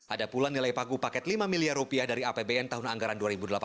ada pula nilai pagu paket lima miliar rupiah dari apbn tahun anggaran dua ribu delapan belas